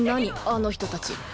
あの人たち。